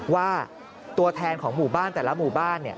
ว่าตัวแทนของหมู่บ้านแต่ละหมู่บ้าน